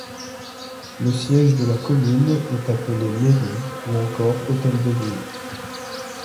Le siège de la commune est appelé Mairie ou encore Hôtel de Ville.